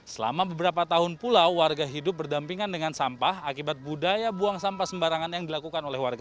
yang sudah tinggal selama satu tahun di rw empat